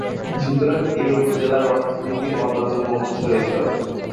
সুতরাং, এ উপজেলার অর্থনীতির অন্যতম উৎস এসব।